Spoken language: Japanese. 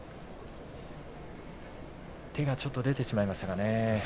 手がちょっと出てしまいましたね。